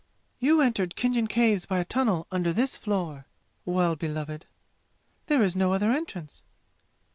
"You entered Khinjan Caves by a tunnel under this floor, Well beloved. There is no other entrance!"